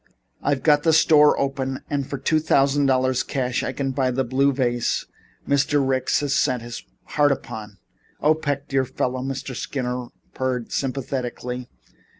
I've got the store open and for two thousand dollars cash I can buy the blue vase Mr. Ricks has set his heart upon." "Oh, Peck, dear fellow," Mr. Skinner purred sympathetically.